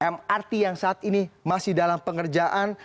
mrt yang saat ini masih dalam pengerjaan